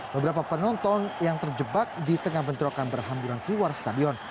beberapa penonton yang terjebak di tengah bentrokan berhamburan keluar stadion